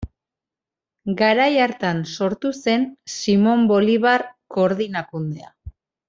Garai hartan sortu zen Simon Bolivar koordinakundea.